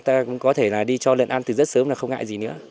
ta cũng có thể là đi cho lợn ăn từ rất sớm là không ngại gì nữa